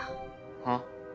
はあ？